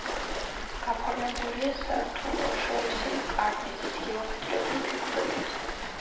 გაფორმებულია სართულშორისი კარნიზით, გეომეტრიული ფიგურებით.